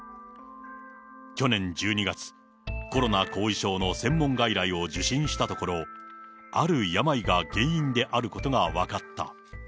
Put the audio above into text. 去年１２月、コロナ後遺症の専門外来を受診したところ、ある病が原因であることが分かった。